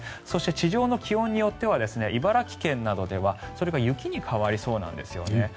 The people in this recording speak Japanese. そして、地上の気温によっては茨城県などではそれが雪に変わりそうなんですよね。